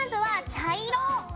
茶色。